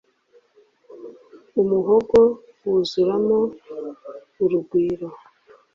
Umuhogo wuzuramo urugwiro